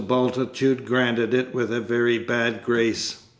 Bultitude granted it with a very bad grace.